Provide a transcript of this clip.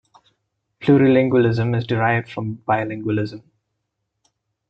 Plurilingualism is derived from bilingualism.